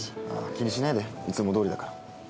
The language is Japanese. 気にしないでいつもどおりだから。